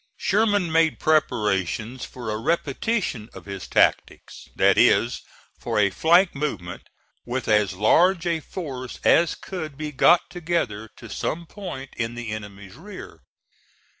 Sherman made preparations for a repetition of his tactics; that is, for a flank movement with as large a force as could be got together to some point in the enemy's rear.